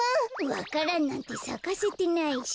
わか蘭なんてさかせてないし。